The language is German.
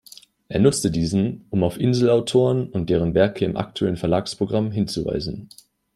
Er nutzte diesen, um auf Insel-Autoren und deren Werke im aktuellen Verlagsprogramm hinzuweisen.